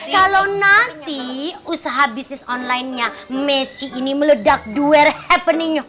kalo nanti usaha bisnis onlinenya messi ini meledak doer happeningnya